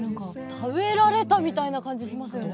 食べられたみたいな感じしますよね。